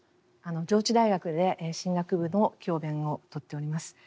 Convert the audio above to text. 上智大学で神学部の教鞭をとっております。